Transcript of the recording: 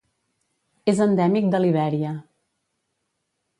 És endèmic de Libèria.